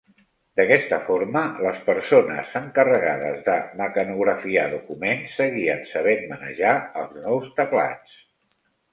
D'aquesta forma, les persones encarregades de 'mecanografiar' documents seguien sabent manejar els nous teclats.